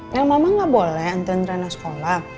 ya mama nggak boleh antrein trener sekolah